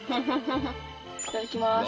いただきます。